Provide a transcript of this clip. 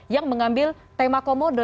yang mengambil tema komodo